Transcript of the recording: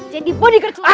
jadi body care sultan